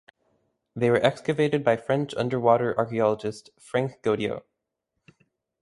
They were excavated by French underwater archaeologist Franck Goddio.